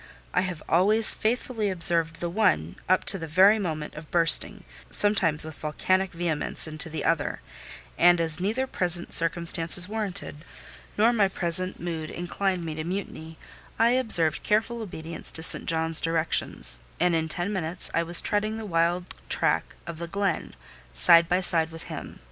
I have always faithfully observed the one, up to the very moment of bursting, sometimes with volcanic vehemence, into the other; and as neither present circumstances warranted, nor my present mood inclined me to mutiny, I observed careful obedience to St. John's directions; and in ten minutes I was treading the wild track of the glen, side by side with him.